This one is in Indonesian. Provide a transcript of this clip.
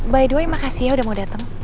by the way makasih ya udah mau datang